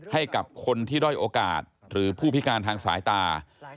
ให้กับคนที่ด้อยโอกาสหรือผู้พิการทางสายตา